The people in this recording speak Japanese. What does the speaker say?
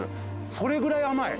それぐらい甘い。